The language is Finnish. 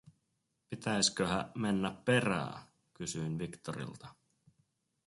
"Pitäisköhä mennä perää?", kysyin Victorilta.